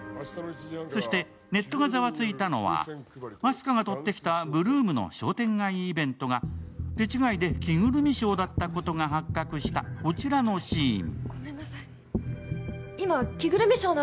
そしてネットがざわついたのはあす花がとってきたのが８ＬＯＯＭの商店街イベントが手違いで着ぐるみショーだったことが発覚したこちらのシーン。